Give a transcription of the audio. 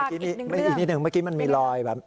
อีกนิดนึงมันมีลอยแบบ